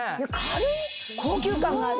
高級感がある。